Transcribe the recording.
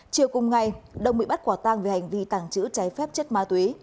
chiều cùng ngày đông bị bắt quả tàng về hành vi tàng trữ trái phép chất má túy